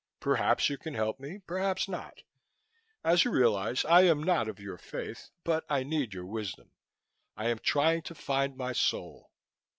Perhaps you can help me, perhaps not. As you realize, I am not of your faith but I need your wisdom. I am trying to find my soul."